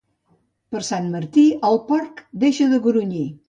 Per Sant Martí el porc deixa de grunyir.